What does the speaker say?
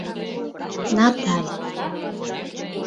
Наталь.